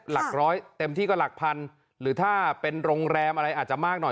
หลักร้อยเต็มที่ก็หลักพันหรือถ้าเป็นโรงแรมอะไรอาจจะมากหน่อย